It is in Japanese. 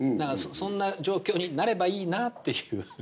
そんな状況になればいいなっていう。